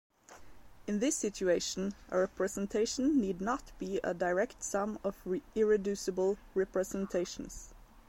In this situation, a representation need not be a direct sum of irreducible representations.